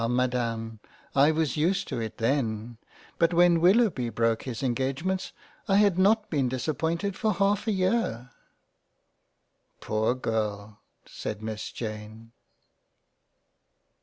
Madam, I was used to it then, but when Willoughby broke his Engagements I had not been dissapointed for half a year." " Poor Girl !" said Miss Jane.